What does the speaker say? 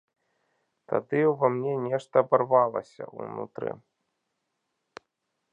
Тады ўва мне нешта абарвалася ўнутры.